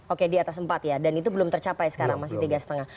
oke di atas empat ya dan itu belum tercapai sekarang masih tiga lima